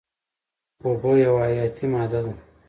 اوبه یوه حیاتي ماده ده.